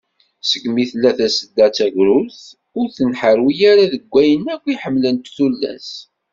Segmi tella Tasedda d tagrudt, ur tenḥarwi ara deg wayen akk i ḥemmlent tullas.